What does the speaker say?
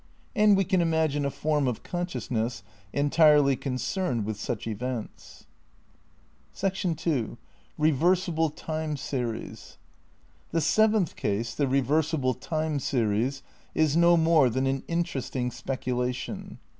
And we can imagine a form of con sciousness entirely concerned with such events. ii The seventh case, the reversible time series, is no more than an interesting speculation.